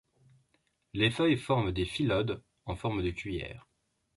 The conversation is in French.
Les feuilles forment des phyllodes, en forme de cuillère.